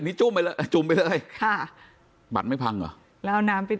นี่จุ่มไปเลยจุ่มไปเลยค่ะบัตรไม่พังเหรอแล้วเอาน้ำไป